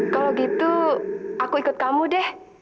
kalau gitu aku ikut kamu deh